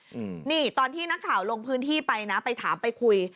อืมนี่ตอนที่นักข่าวลงพื้นที่ไปนะไปถามไปคุย